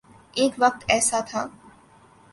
ایک وقت ایسا تھا۔